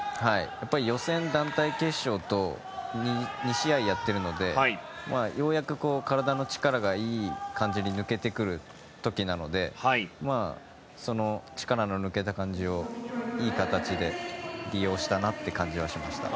やっぱり予選、団体決勝と２試合やっているのでようやく体の力がいい感じに抜けてくる時なのでその力の抜けた感じをいい形で利用したなという感じがしました。